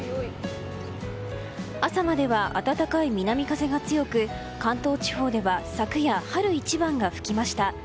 朝までは暖かい南風が強く関東地方では昨夜春一番が吹きました。